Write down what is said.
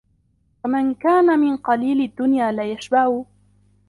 وَمَنْ كَانَ مِنْ قَلِيلِ الدُّنْيَا لَا يَشْبَعُ